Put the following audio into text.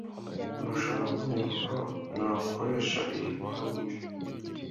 Urashobora kunyereka uko nakoresha iyi pompe?